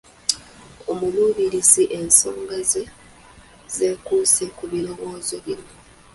Omuluubirizi ensonga ze zeekuuse ku birowoozo bino